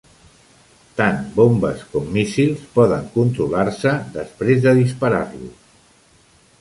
Tant bombes com míssils poden controlar-se després de disparar-los.